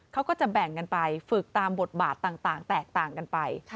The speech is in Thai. เขาก็จะแบ่งกันไปฝึกตามบทบาทต่างแตกต่างกันไป